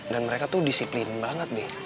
dan mereka tuh disiplin banget be